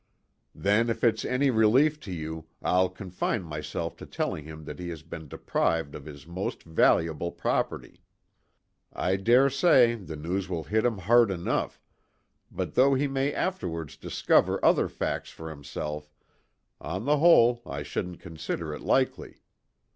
"Then, if it's any relief to you, I'll confine myself to telling him that he has been deprived of his most valuable property. I dare say the news will hit him hard enough; but though he may afterwards discover other facts for himself, on the whole I shouldn't consider it likely.